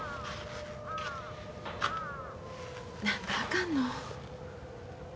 何であかんの。